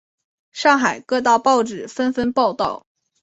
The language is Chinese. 上海各大报纸纷纷报道。